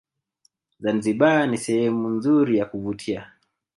zanzibar ni sehemu nzuri ya kuvutia